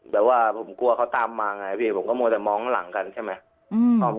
แบบว่าผมกลัวเขาตามมาไงพี่ผมก็มัวแต่มองข้างหลังกันใช่ไหม